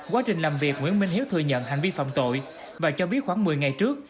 quá trình làm việc nguyễn minh hiếu thừa nhận hành vi phạm tội và cho biết khoảng một mươi ngày trước